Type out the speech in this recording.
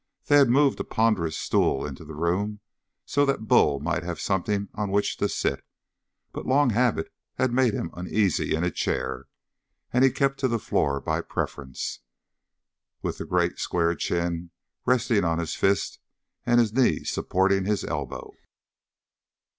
They had moved a ponderous stool into the room so that Bull might have something on which to sit, but long habit had made him uneasy in a chair, and he kept to the floor by preference, with the great square chin resting on his fist and his knee supporting his elbow.